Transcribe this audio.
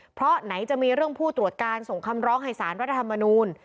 เพราะไหนจะมีเรื่องผู้ตรวจการส่งคำร้องให้สารรัฐธรรมนูล